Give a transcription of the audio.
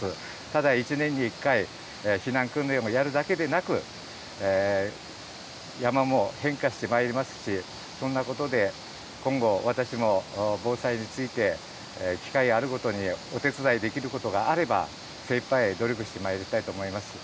ただ１年に１回、避難訓練をやるだけでなく、山も変化してまいりますし、そんなことで今後、私も、防災について機会あるごとに、お手伝いできることがあれば、精いっぱい努力してまいりたいと思います。